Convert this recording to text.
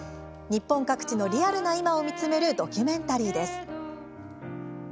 日本各地のリアルな今を見つめるドキュメンタリーです。